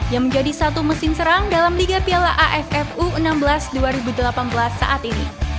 yang menjadi satu mesin serang dalam liga piala aff u enam belas dua ribu delapan belas saat ini